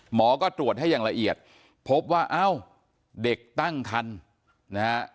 หมอก็ตรวจให้อย่างละเอียดพบว่าเอ้าเด็กตั้งคันนะฮะ